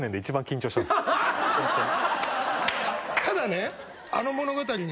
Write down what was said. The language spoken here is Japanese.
ただね。